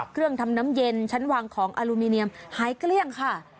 เครื่องทำน้ำเย็นชั้นวางของอลูมิเนียมหายเกลี้ยงค่ะ